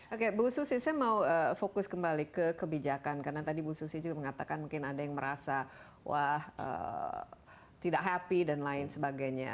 oke bu susi saya mau fokus kembali ke kebijakan karena tadi bu susi juga mengatakan mungkin ada yang merasa wah tidak happy dan lain sebagainya